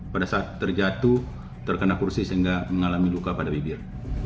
pada saat terjatuh terkena kursi sehingga mengalami luka pada bibir